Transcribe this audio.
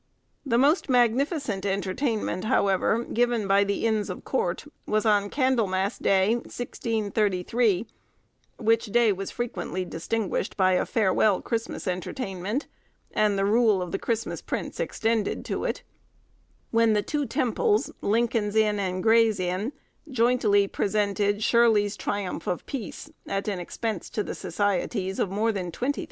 The most magnificent entertainment, however, given by the Inns of Court, was on Candlemas Day, 1633—which day was frequently distinguished by a farewell Christmas entertainment, and the rule of the Christmas Prince extended to it—when the two Temples, Lincoln's Inn and Gray's Inn, jointly presented Shirley's 'Triumph of Peace,' at an expense to the Societies of more than £20,000.